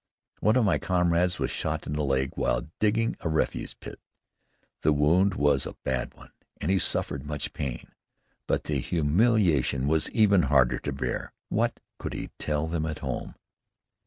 One of my comrades was shot in the leg while digging a refuse pit. The wound was a bad one and he suffered much pain, but the humiliation was even harder to bear. What could he tell them at home?